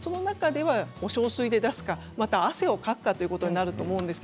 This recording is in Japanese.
お小水で出すか、汗をかくかということになります。